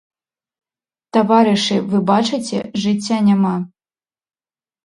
Таварышы, вы бачыце, жыцця няма.